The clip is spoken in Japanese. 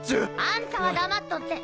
あんたは黙っとって！